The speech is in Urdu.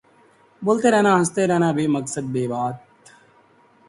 بولتے رہنا ہنستے رہنا بے مقصد بے بات